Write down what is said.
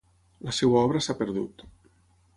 La seva obra s'ha perdut.